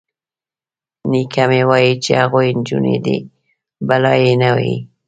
_نيکه مې وايي چې هغوی نجونې دي، بلا يې نه وهي.